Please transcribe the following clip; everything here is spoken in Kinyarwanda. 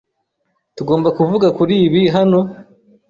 Tugomba kuvuga kuri ibi hano?